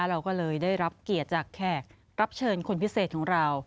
เราก็เลยได้รับเกียรติจากแขกรับเชิญคนพิเศษของเรา